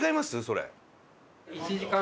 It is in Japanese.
それ。